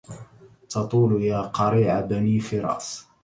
تطول يا قريع بني فراس